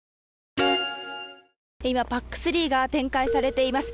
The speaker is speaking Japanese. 今ＰＡＣ−３が展開されています。